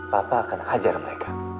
pak akan hajar mereka